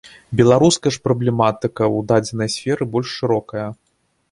Беларуская ж праблематыка ў дадзенай сферы больш шырокая.